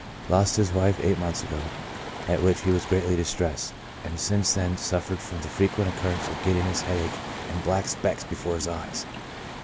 Lost his wife eight months ago, at which he was greatly distressed, and since then has suf fered from the frequent occurrence of giddiness, headache, and black specks before his eyes.